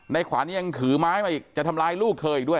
ขวัญยังถือไม้มาอีกจะทำร้ายลูกเธออีกด้วย